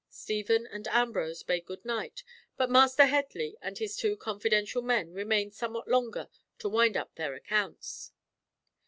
Stephen and Ambrose bade good night, but Master Headley and his two confidential men remained somewhat longer to wind up their accounts.